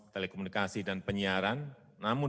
telekomunikasi dan penyiaran namun